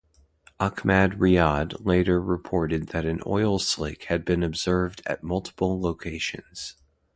Achmad Riad later reported that an oil slick had been observed at multiple locations.